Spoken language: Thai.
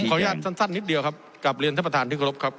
สั้นนิดเดียวครับกลับเรียนท่านประธานที่เคารพครับ